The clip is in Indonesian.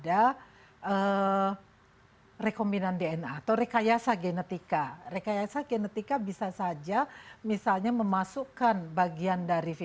ayo contohnya apakah terbagaunda dan se addiction passkroid grip